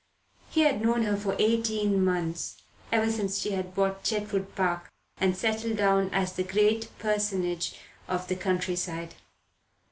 He had known her for eighteen months, ever since she had bought Chetwood Park and settled down as the great personage of the countryside.